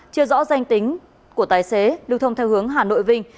chưa rõ danh tính của tái xế được thông theo hướng hà nội vinh